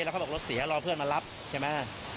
แล้วเขาบอกรถเสียรอเพื่อนมารับใช่ไหม